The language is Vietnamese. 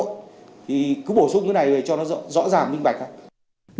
thì cứ bổ sung cái này để cho nó rõ ràng minh bạch